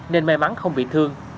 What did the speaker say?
nên may mắn không bị thương